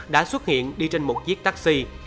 đã xuất hiện đi trên một chiếc taxi